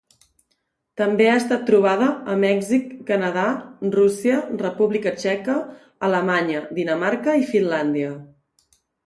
També ha estat trobada a Mèxic, Canadà, Rússia, República Txeca, Alemanya, Dinamarca i Finlàndia.